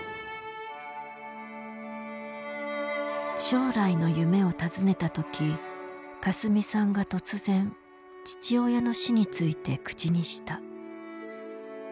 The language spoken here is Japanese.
将来の夢をたずねた時かすみさんが突然父親の死について口にした。